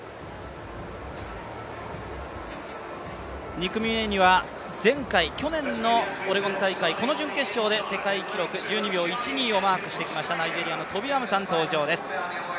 ２組目には前回、去年のオレゴン大会、この準決勝で世界記録１２秒１２をマークしてきた、ナイジェリアのトビ・アムサンが登場です。